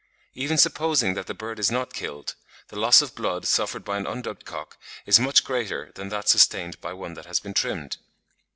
Even supposing that the bird is not killed, the loss of blood suffered by an undubbed cock is much greater than that sustained by one that has been trimmed."